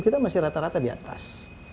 kita masih rata rata di atas